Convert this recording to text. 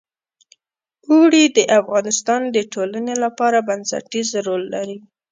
اوړي د افغانستان د ټولنې لپاره بنسټيز رول لري.